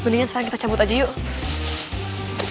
kuningan sekarang kita cabut aja yuk